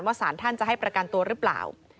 สารท่านจะให้ประกันตัวหรือเปล่า